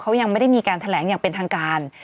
เขายังไม่ได้มีการแถลงอย่างเป็นทางการ